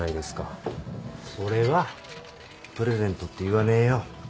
それはプレゼントって言わねえよ。